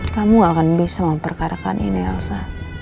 kamu gak akan bisa memperkarakan ini elsa